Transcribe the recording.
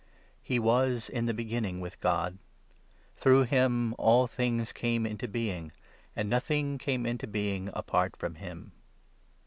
He was in the Beginning with God ; 2 Through him all things came into being, 3 And nothing came into being apart from him.